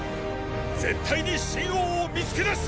絶対に秦王を見つけだし